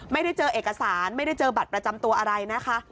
ไม่ได้เจอเอกสารไม่ได้เจอบัตรประจำตัวอะไรนะคะ